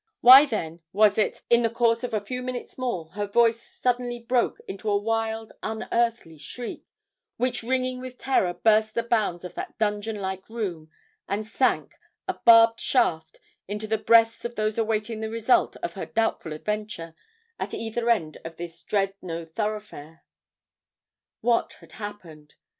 Why then, was it that in the course of a few minutes more her voice suddenly broke into a wild, unearthly shriek, which ringing with terror burst the bounds of that dungeon like room, and sank, a barbed shaft, into the breasts of those awaiting the result of her doubtful adventure, at either end of this dread no thoroughfare. What had happened?